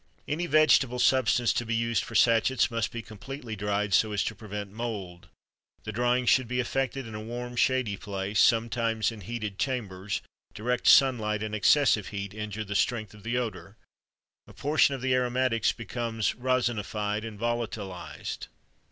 Any vegetable substance to be used for sachets must be completely dried so as to prevent mould. The drying should be effected in a warm, shady place, sometimes in heated chambers; direct sunlight and excessive heat injure the strength of the odor, a portion of the aromatics becoming resinified and volatilized.